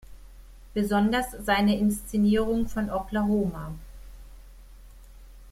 Besonders seine Inszenierung von "Oklahoma!